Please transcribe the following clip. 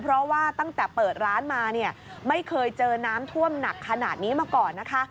เพราะว่าตั้งแต่เปิดร้านมาเนี่ยไม่เคยเจอน้ำท่วมหนักขนาดนี้มาก่อนนะคะ